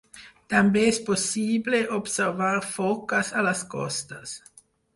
També és possible observar foques a les costes.